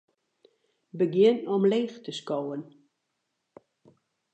Begjin omleech te skowen.